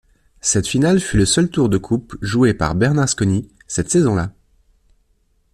Cette finale fut le seul tour de Coupe joué par Bernasconi cette saison-là.